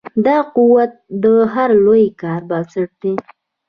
دا قوت د هر لوی کار بنسټ دی.